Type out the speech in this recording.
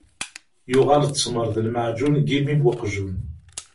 Yuɣal ttmeṛ d lmeɛǧun deg imi n uqjun.